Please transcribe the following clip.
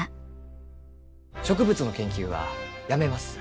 植物の研究はやめます。